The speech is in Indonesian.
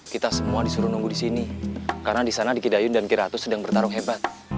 kita semua disuruh nunggu di sini karena di sana di kidayun dan kiratu sedang bertarung hebat